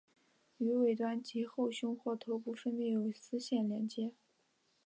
于尾端及后胸或头部分别有丝线连结。